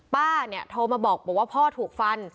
ป้าเนี่ยโทรมาบอกว่าพ่อถูกฟัน